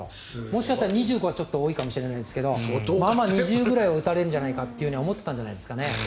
もしかしたら２５は多いかもしれないですが２０ぐらいは打たれるんじゃないかと思ってたんじゃないですかね。